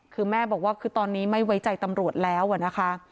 คือแม่บอกว่าคือตอนนี้ไม่ไว้ใจตำรวจแล้วนะคะ